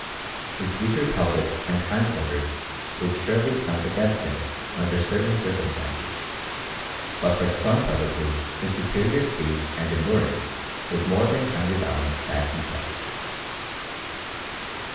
His weaker pelvis and hind quarters would surely count against him under certain circumstances, but for some purposes his superior speed and endurance would more than counterbalance that defect.